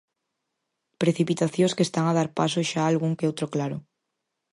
Precipitacións que están a dar paso xa a algún que outro claro.